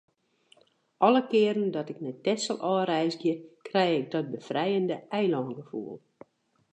Alle kearen dat ik nei Texel ôfreizgje, krij ik dat befrijende eilângefoel.